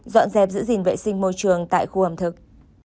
dọn dẹp giữ gìn vệ sinh môi trường tại khu ẩm thực